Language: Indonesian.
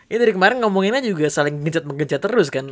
ini dari kemarin ngomongin aja juga saling gencet gencet terus kan